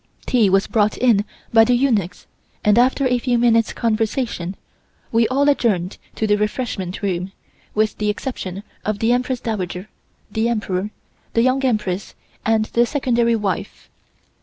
Tea was brought in by the eunuchs and after a few minutes' conversation, we all adjourned to the refreshment room, with the exception of the Empress Dowager, the Emperor, the Young Empress and the Secondary wife.